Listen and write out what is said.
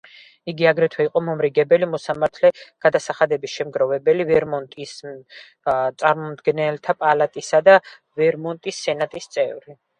იგი აგრეთვე იყო მომრიგებელი მოსამართლე, გადასახადების შემგროვებელი, ვერმონტის წარმომადგენელთა პალატისა და ვერმონტის სენატის წევრი.